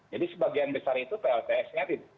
jadi sebagian besar itu plts nya